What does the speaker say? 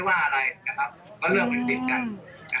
ผมไม่ได้ว่าอะไรนะครับก็เริ่มเป็นศิษย์กัน